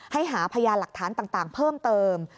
หาพยานหลักฐานต่างเพิ่มเติม